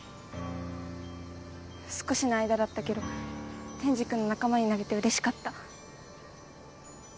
少しの間だったけど天智くんの仲間になれて嬉しかった。